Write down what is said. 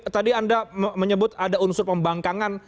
tadi anda menyebut ada unsur pembangkangan